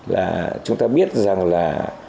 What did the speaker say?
là chúng ta biết rằng là